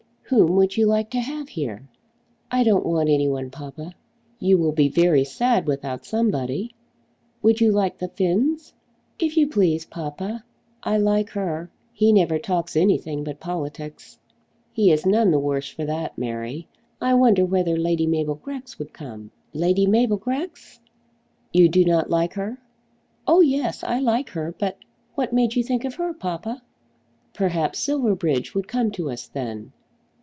"Whom would you like to have here?" "I don't want any one, papa." "You will be very sad without somebody. Would you like the Finns?" "If you please, papa. I like her. He never talks anything but politics." "He is none the worse for that, Mary. I wonder whether Lady Mabel Grex would come." "Lady Mabel Grex!" "Do you not like her?" "Oh yes, I like her; but what made you think of her, papa?" "Perhaps Silverbridge would come to us then."